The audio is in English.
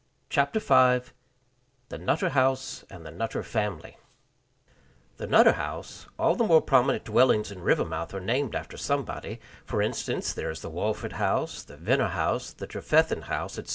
Chapter Five The Nutter House and the Nutter Family The Nutter House all the more prominent dwellings in Rivermouth are named after somebody; for instance, there is the Walford House, the Venner House, the Trefethen House, etc.